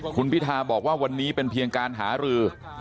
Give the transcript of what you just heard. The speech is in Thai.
คุณพิธาบอกว่าวันนี้เป็นเพียงการหารือ